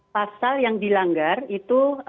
pasal yang dilanggar itu